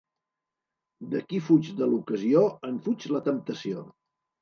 De qui fuig de l'ocasió, en fuig la temptació.